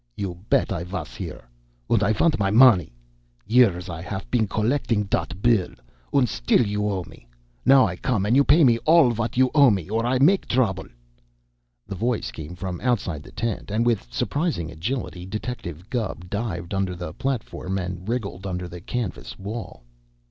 "You bet I vos here! Und I vant my money! Years I haf been collecding dot bill, und still you owe me. Now I come, and you pay me all vot you owe or I make troubles!" The voice came from outside the tent, and with surprising agility Detective Gubb dived under the platform and wriggled under the canvas wall.